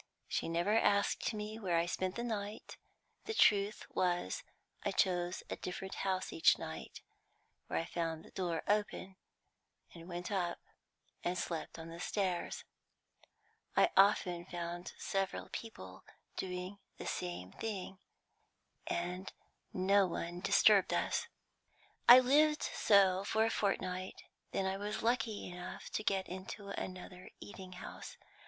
She never asked me where I spent the night; the truth was I chose a different house each night, where I found the door open, and went up and slept on the stairs. I often found several people doing the same thing, and no one disturbed us. "I lived so for a fortnight, then I was lucky enough to get into another eating house.